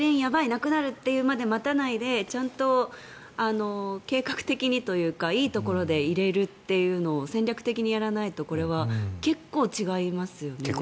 なくなるというまで待たないでちゃんと計画的にというかいいところで入れるっていうのを戦略的にやらないとこれは結構違いますよね。